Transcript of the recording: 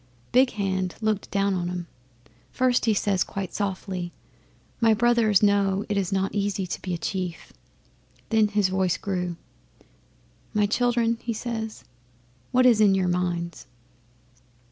'Big Hand looked down on 'em. First he says quite softly, "My brothers know it is not easy to be a chief." Then his voice grew. "My children," says he, "what is in your minds?"